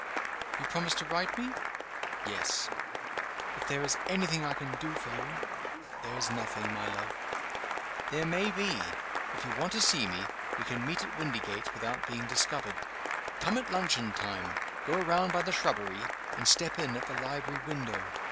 "You promise to write to me?" "Yes." "If there is any thing I can do for you ?" "There is nothing, my love." "There may be. If you want to see me, we can meet at Windygates without being discovered. Come at luncheon time go around by the shrubbery and step in at the library window.